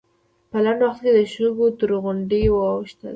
په لنډ وخت کې د شګو تر غونډۍ واوښتل.